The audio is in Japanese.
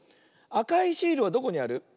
あかいシールはどこにある？